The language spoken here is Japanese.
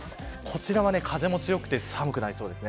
こちらは風も強くて寒くなりそうです。